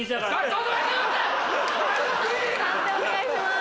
判定お願いします。